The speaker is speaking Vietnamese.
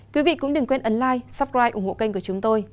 quý vị cũng đừng quên ấn like subscribe ủng hộ kênh của chúng tôi